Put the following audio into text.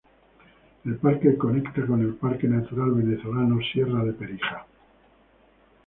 El parque conecta con el parque natural venezolano Sierra de Perijá.